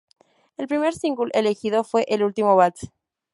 El primer single elegido fue "El último vals".